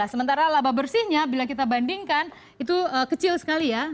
sementara laba bersihnya bila kita bandingkan itu kecil sekali ya